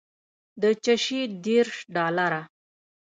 د چشي دېرش ډالره.